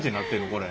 これ。